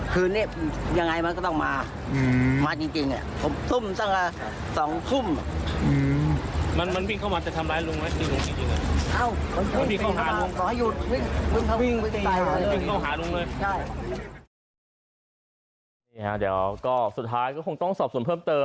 คืนนี้ยังไงมันก็ต้องมาขึ้นสังศักดิ์ฌัน๒นาที